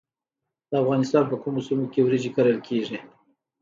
د افغانستان په کومو سیمو کې وریجې کرل کیږي؟